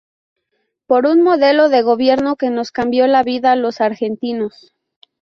Por un modelo de gobierno que nos cambió la vida de los argentinos".